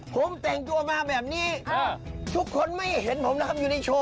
ผมแต่งตัวมาแบบนี้ทุกคนไม่เห็นผมทำอยู่ในโชว